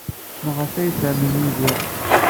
Maɣef ay fernen Yidir?